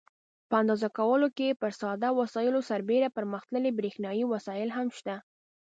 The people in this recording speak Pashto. په اندازه کولو کې پر ساده وسایلو سربیره پرمختللي برېښنایي وسایل هم شته.